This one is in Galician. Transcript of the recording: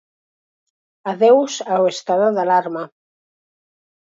Adeus ao estado de alarma.